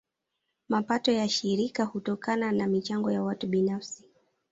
Mapato ya shirika hutokana na michango ya watu binafsi.